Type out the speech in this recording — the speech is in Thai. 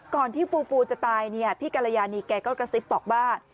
ก่อนที่ฟูฟูจะตายเนี่ยพี่กรยานีแกก็กระซิบบอกว่า